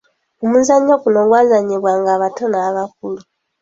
Omuzannyo guno gwazannyibwanga abato n’abakulu.